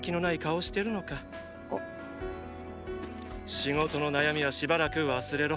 仕事の悩みはしばらく忘れろ。